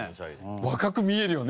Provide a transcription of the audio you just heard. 若く見えるよね